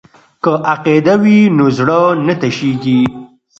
که عقیده وي نو زړه نه تشیږي.